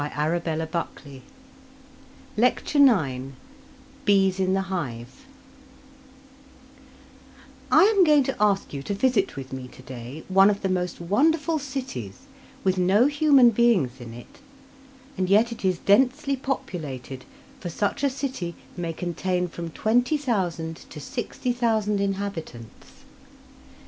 In Memoriam Week 25 Lecture IX Bees in the Hive I am going to ask you to visit with me to day one of the most wonderful cities with no human beings in it, and yet it is densely populated, for such a city may contain from twenty thousand to sixty thousand inhabitants.